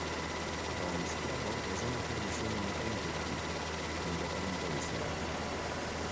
Doncs trobo que és una afirmació una mica inquietant, en boca d'un policia.